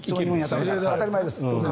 当たり前です。